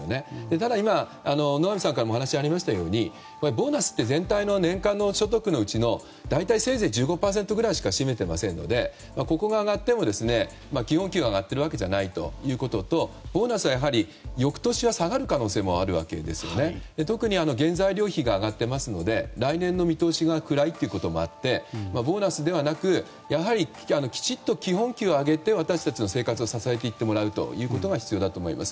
ただ、野上さんからもお話がありましたがボーナスって全体の年間の所得のうちのせいぜい１５％くらいしか占めていませんのでここが上がっても基本給が上がっているわけじゃないということとボーナスは、やはり翌年は下がる可能性もあるわけで特に原材料費が上がっているので来年の見通しが暗いということもあってボーナスではなくやはり、きちんと基本給を上げて私たちの生活を支えていってもらうことが必要だと思います。